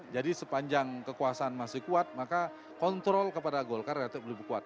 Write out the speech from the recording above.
jadi sepanjang kekuasaan masih kuat maka kontrol kepada golkar relatif lebih kuat